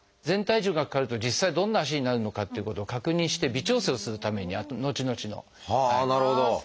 全体重がかかると実際どんな足になるのかっていうことを確認して微調整をするために後々の。はあなるほど。